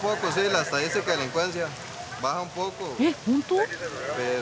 えっ本当？